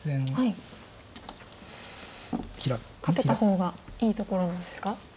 カケた方がいいところなんですか？